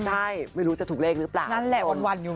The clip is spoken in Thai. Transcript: ใช่ไม่รู้จะถูกเลขหรือเปล่า